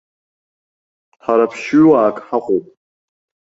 Ҳара ԥшьҩыуаак ҳаҟоуп.